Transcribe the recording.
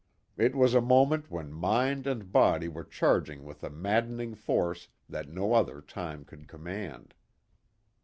It was a moment when mind and body were charged with a maddening force that no other time could command.